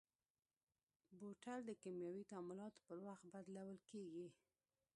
بوتل د کیمیاوي تعاملاتو پر وخت بدلول کېږي.